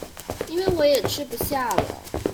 因為我也吃不下了